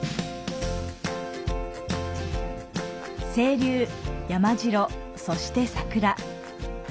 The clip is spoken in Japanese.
清流、山城、そして桜。